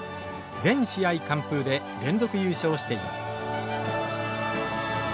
全試合完封で連続優勝しています。